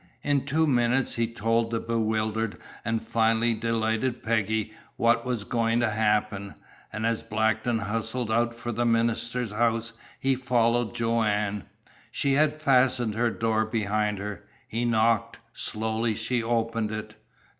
In two minutes he told the bewildered and finally delighted Peggy what was going to happen, and as Blackton hustled out for the minister's house he followed Joanne. She had fastened her door behind her. He knocked. Slowly she opened it.